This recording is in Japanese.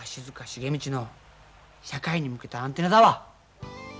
茂道の社会に向けたアンテナだわ。